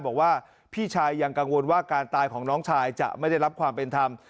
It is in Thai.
บอกว่าพี่ชายยังกังวลว่าการตายของน้องชายจะไม่ได้รับความเป็นธรรม